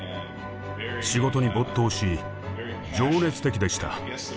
仕事に没頭し情熱的でした。